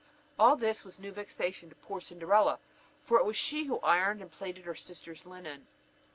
All this was new vexation to poor Cinderella, for it was she who ironed and plaited her sisters' linen.